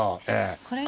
これが。